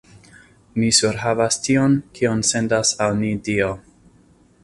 Ni surhavas tion, kion sendas al ni Dio!